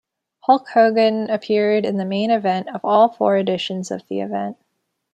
Hulk Hogan appeared in the main event of all four editions of the event.